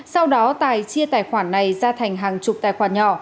sau đó tài chia tài khoản này ra thành hàng chục tài khoản nhỏ